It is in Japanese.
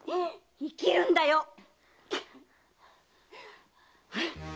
生きるんだよ！